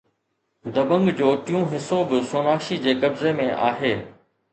دبنگ جو ٽيون حصو به سوناکشي جي قبضي ۾ آهي